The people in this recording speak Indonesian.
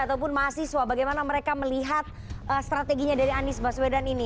ataupun mahasiswa bagaimana mereka melihat strateginya dari anies baswedan ini